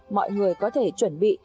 mọi người có thể chuẩn bị